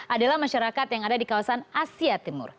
adalah masyarakat yang ada di kawasan asia timur